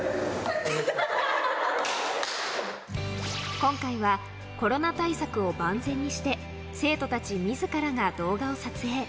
今回はコロナ対策を万全にして、生徒たちみずからが動画を撮影。